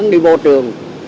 đi vô trường